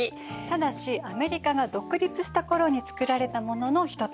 ただしアメリカが独立した頃に作られたものの一つなの。